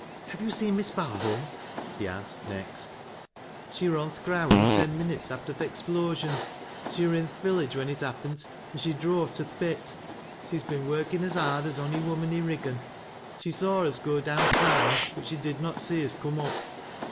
" Have you seen Miss Barholm ?" he asked next. " She wur on th' ground i' ten minnits after th' explo sion. She wur in th' village when it happent, an' she drove to th' pit. She's been workin' as hard as ony woman i' Kiggan. She saw us go down th' mine, but she did not see us come up.